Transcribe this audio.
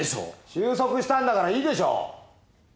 収束したんだからいいでしょう！